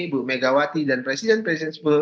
bu megawati dan presiden presiden